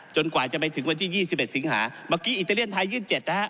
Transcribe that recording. กว่าจะไปถึงวันที่๒๑สิงหาเมื่อกี้อิตาเลียนไทยยื่น๗นะฮะ